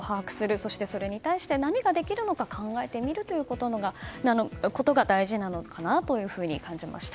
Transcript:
そしてそれに対して何ができるのか考えてみることが大事なのかなと感じました。